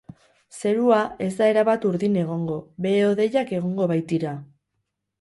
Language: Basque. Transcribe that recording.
Zerua ez da erabat urdin egongo, behe-hodeiak egongo baitira.